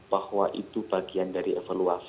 bahwa itu bagian dari evaluasi